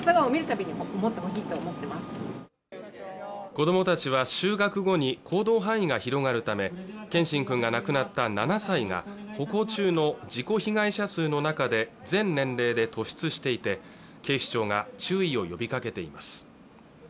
子供たちは就学後に行動範囲が広がるため謙真君が亡くなった７歳が歩行中の事故被害者数の中で全年齢で突出していて警視庁が注意を呼びかけています